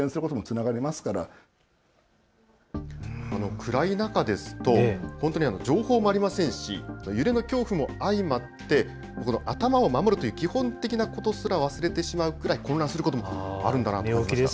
暗い中ですと本当に情報もありませんし揺れの恐怖も相まって頭を守るという基本的なことすら忘れてしまうくらい混乱することがあるんだなと思います。